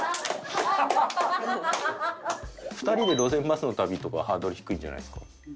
２人で路線バスの旅とかハードル低いんじゃないですか？